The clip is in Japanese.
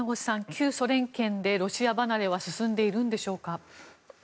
旧ソ連圏でロシア離れは進んでいるんでしょうか。